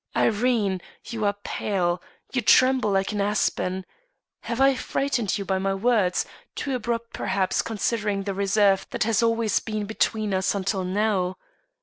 Irene, you are pale; you tremble like an aspen. Have I frightened you by my words too abrupt, perhaps, considering the reserve that has always been between us until now.